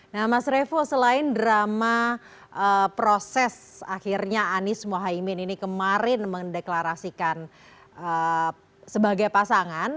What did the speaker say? nah mas revo selain drama proses akhirnya anies mohaimin ini kemarin mendeklarasikan sebagai pasangan